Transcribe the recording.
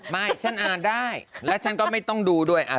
ไม่ฉันอ่านได้แล้วฉันก็ไม่ต้องดูด้วย